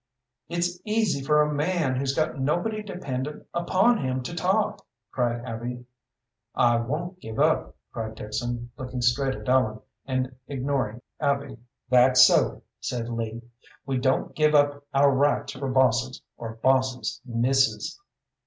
"It's easy for a man who's got nobody dependent upon him to talk," cried Abby. "I won't give up!" cried Dixon, looking straight at Ellen, and ignoring Abby. "That's so," said Lee. "We don't give up our rights for bosses, or bosses' misses."